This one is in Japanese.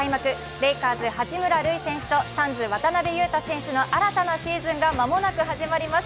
レイカーズ・八村塁選手とサンズ・渡邊雄太選手の新たなシーズンが間もなく始まります。